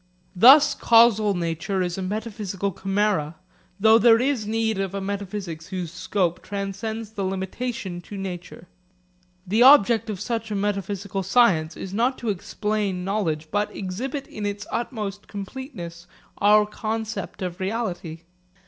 Thus causal nature is a metaphysical chimera; though there is need of a metaphysics whose scope transcends the limitation to nature. The object of such a metaphysical science is not to explain knowledge, but exhibit in its utmost completeness our concept of reality.